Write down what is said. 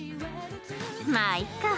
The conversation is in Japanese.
まあいっか。